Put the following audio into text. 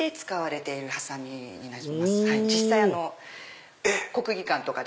実際国技館とかで。